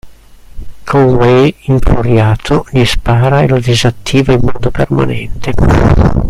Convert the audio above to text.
Conway, infuriato, gli spara e lo disattiva in modo permanente.